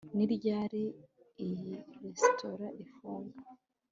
ni ryari iyi resitora ifunga